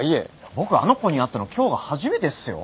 僕あの子に会ったの今日が初めてっすよ。